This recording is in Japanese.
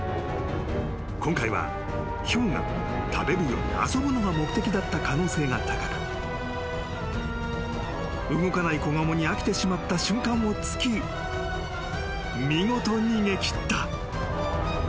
［今回はヒョウが食べるより遊ぶのが目的だった可能性が高く動かない子ガモに飽きてしまった瞬間を突き見事逃げ切った］